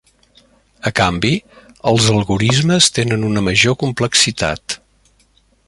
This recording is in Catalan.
A canvi, els algorismes tenen una major complexitat.